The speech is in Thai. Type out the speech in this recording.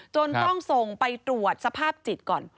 จนต้องส่งไปตรวจสภาพจิตก่อน